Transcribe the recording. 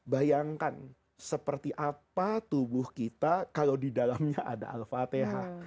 bayangkan seperti apa tubuh kita kalau di dalamnya ada al fatihah